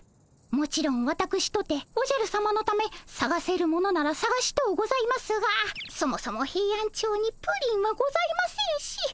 もちろんわたくしとておじゃるさまのためさがせるものならさがしとうございますがそもそもヘイアンチョウにプリンはございませんし。